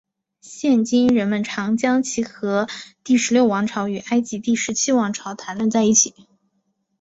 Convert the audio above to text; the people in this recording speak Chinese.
现今人们常将其和第十六王朝与埃及第十七王朝谈论在一起。